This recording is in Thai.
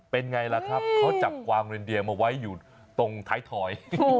เป็นไงล่ะครับเขาจับกวางลินเดียมาไว้อยู่ตรงท้ายถอย